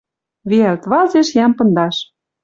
Виӓлт вазеш йӓм пындаш